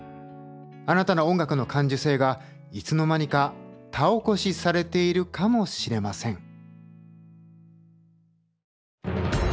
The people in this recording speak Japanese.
あなたの音楽の感受性がいつの間にか田起こしされているかもしれません。